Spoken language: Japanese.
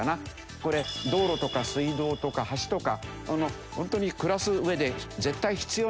これ道路とか水道とか橋とかホントに暮らす上で絶対必要なものですよね。